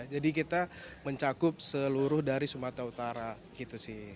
jadi kita mencakup seluruh dari sumatera utara gitu sih